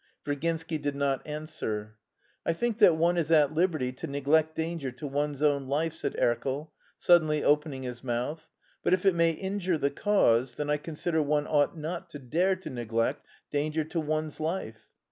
Virginsky did not answer. "I think that one is at liberty to neglect danger to one's own life," said Erkel, suddenly opening his mouth, "but if it may injure the cause, then I consider one ought not to dare to neglect danger to one's life...."